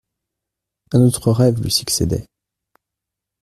Un autre rêve lui succédait.